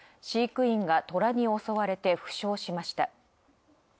飼育員がトラに襲われて負傷しました。